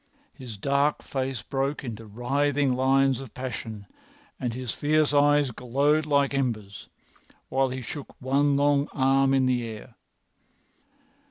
His dark face broke into writhing lines of passion, and his fierce eyes glowed like embers, while he shook one long arm in the air.